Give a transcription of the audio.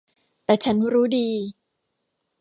แต่ฉันรู้ดี